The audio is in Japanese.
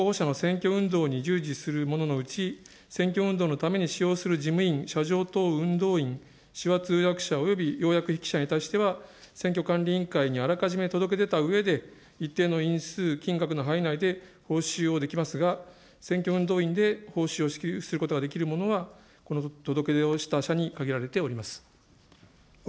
第２項及び第５項の規定により公職の候補者の選挙運動に従事する者のうち、選挙運動のために使用する事務員、車上等運動員、手話通訳者及び要約筆記者に対しては、選挙管理委員会にあらかじめ届け出たうえで、一定の員数、金額の範囲内で、報酬をできますが、選挙運動員で報酬を支給することができるものは、この届け出をしたしゃに限られております。